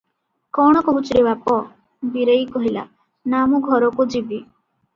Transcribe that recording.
କଣ କହୁଛୁ ରେ ବାପ?" ବୀରେଇ କହିଲା, " ନା ମୁଁ ଘରକୁ ଯିବି ।"